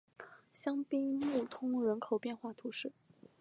香槟穆通人口变化图示